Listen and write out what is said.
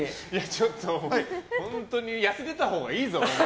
ちょっと本当に痩せてたほうがいいぞ。